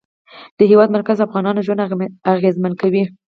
د هېواد مرکز د افغانانو ژوند اغېزمن کوي.